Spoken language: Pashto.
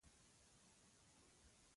لا سترګه ورغلې نه وه چې یو دم نغاره وډنګېده.